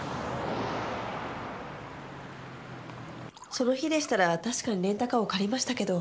その日でしたら確かにレンタカーを借りましたけど。